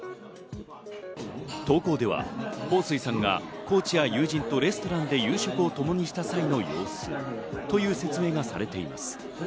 投稿ではホウ・スイさんがコーチや友人とレストランで夕食をともにした際の様子という説明がされています。